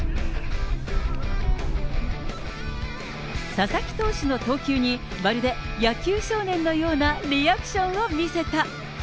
佐々木投手の投球に、まるで野球少年のようなリアクションを見せた。